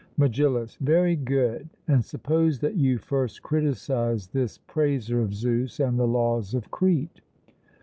MEGILLUS: Very good; and suppose that you first criticize this praiser of Zeus and the laws of Crete.